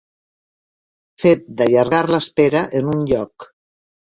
Fet d'allargar l'espera en un lloc.